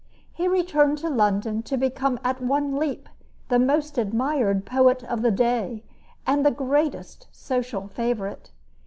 He returned to London to become at one leap the most admired poet of the day and the greatest social favorite.